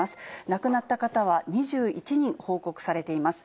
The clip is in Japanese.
亡くなった方は２１人報告されています。